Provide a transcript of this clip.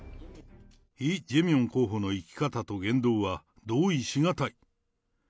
イ・ジェミョン候補の生き方と言動は、同意し難い。